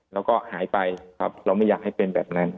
แล้วก็หายไปครับเราไม่อยากให้เป็นแบบนั้น